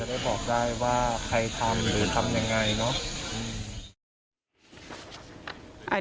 ได้บอกได้ว่าใครทำหรือทำยังไงเนาะ